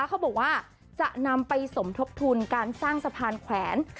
เขาบอกว่าจะนำไปสมทบทุนการสร้างสะพานแขวน